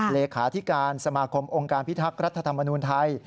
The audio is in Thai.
เลขาธิการสมาคมองค์การพิทักษ์รัฐธรรมนูญไทย